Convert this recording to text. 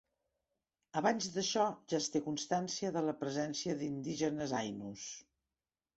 Abans d'això, ja es té constància de la presència d'indígenes ainus.